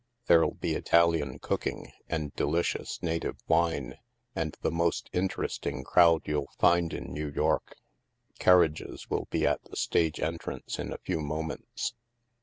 There'll be Italian cooking, and delicious na tive wine, and the most interesting crowd you'll find in New York. Carriages will be at the stage en trance in a few moments."